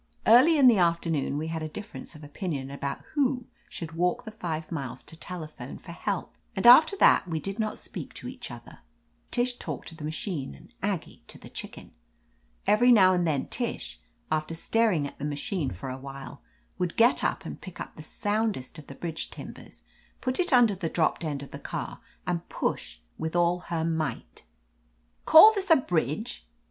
Early in the afternoon we had a difference of opinion about who should walk the five miles to telephone for help, and after that we did not speak to each other. Tish talked to the machine and Aggie to the chicken. Every now and then Tish, after staring at the machine for a while, would get up and pick up the soundest of the bridge timbers, put it under the dropped end of the car and push with all her might. "Call this a bridge